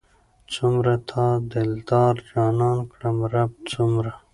څومره تا دلدار جانان کړم رب څومره